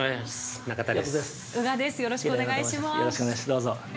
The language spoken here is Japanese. ◆どうぞ。